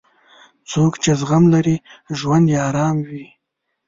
څوک چې زغم لري، ژوند یې ارام وي.